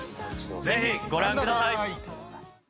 ぜひご覧ください。